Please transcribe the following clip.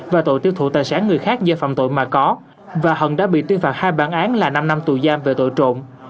và tội tiêu thụ tài sản người khác do phạm tội mà có và hần đã bị tuyên phạt hai bản án là năm năm tù giam về tội trộm